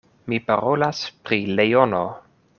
Mi parolas pri leono.